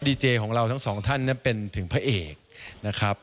ดีเจของเราทั้งสองท่านเป็นถึงพระเอกนะครับ